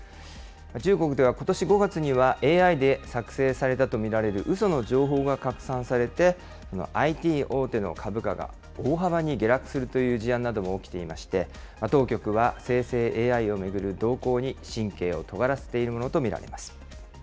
中国ではことし５月には、ＡＩで作成されたと見られるうその情報が拡散されて、ＩＴ大手の株価が大幅に下落するという事案なども起きていまして、当局は生成ＡＩを巡る動向に神経をとがらせているものと見られます。